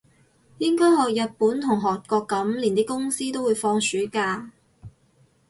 應該學日本同韓國噉，連啲公司都會放暑假